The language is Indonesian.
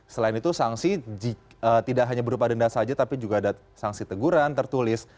selain itu sanksi tidak hanya berupa denda saja tapi juga ada sanksi teguran tertulis